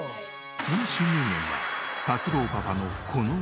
その収入源は達郎パパのこのお仕事。